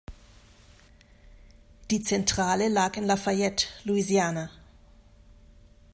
Die Zentrale lag in Lafayette, Louisiana.